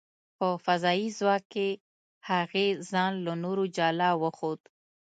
په فضايي ځواک کې، هغې ځان له نورو جلا وښود .